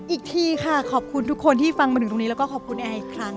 อีกทีค่ะขอบคุณทุกคนที่ฟังมาถึงตรงนี้แล้วก็ขอบคุณแอร์อีกครั้ง